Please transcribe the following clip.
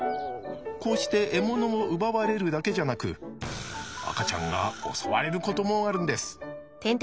こうして獲物を奪われるだけじゃなく赤ちゃんが襲われることもあるんです。